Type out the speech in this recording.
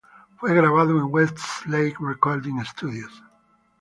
Fue grabado en "Westlake Recording Studios".